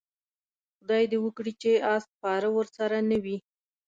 خدای دې وکړي چې اس سپاره ورسره نه وي.